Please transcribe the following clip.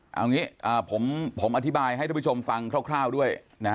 เอางี้ผมอธิบายให้ทุกผู้ชมฟังคร่าวด้วยนะ